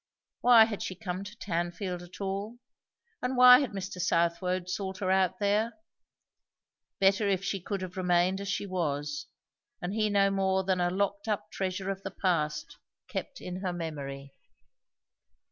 Why had she come to Tanfield at all? and why had Mr. Southwode sought her out there? Better if she could have remained as she was, and he no more than a locked up treasure of the past kept in her memory.